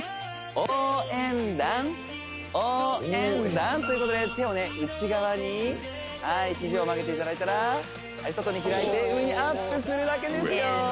応援団応援団ということで手を内側にヒジを曲げていただいたら外に開いて上にアップするだけですよ